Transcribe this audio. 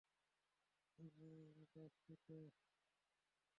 এজন্যই তুমি ড্রাগস নিতে?